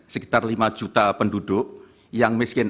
sekitar lima juta penduduk yang miskin